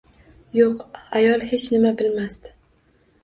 Yo`q, ayol hech nima bilmasdi